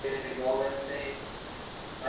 Har qanday ro'yxat va reyting sub'ektiv bo'ladi